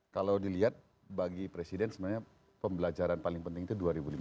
kalau dilihat bagi presiden sebenarnya pembelajaran paling penting itu dua ribu lima belas